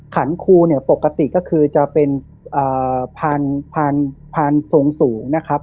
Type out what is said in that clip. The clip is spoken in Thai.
ขันคูเนี้ยปกติก็คือจะเป็นอ่าพันพันพันสูงสูงนะครับ